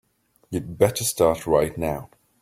You'd better start right now.